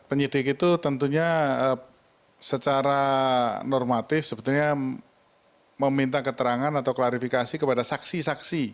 penyidik itu tentunya secara normatif sebetulnya meminta keterangan atau klarifikasi kepada saksi saksi